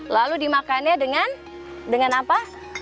lalu dimakan dengan apa